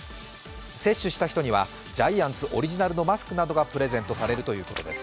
接種した人にはジャイアンツオリジナルのマスクなどがプレゼントされるということです。